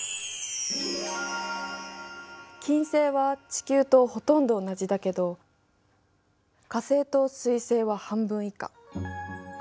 金星は地球とほとんど同じだけど火星と水星は半分以下。